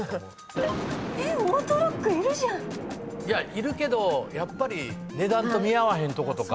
いるけどやっぱり値段と見合わへんとことか。